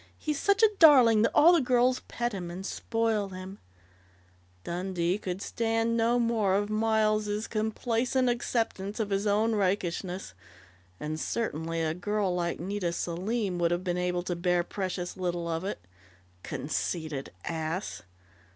"He's such a darling that all the girls pet him, and spoil him " Dundee could stand no more of Miles' complacent acceptance of his own rakishness. And certainly a girl like Nita Selim would have been able to bear precious little of it.... Conceited ass!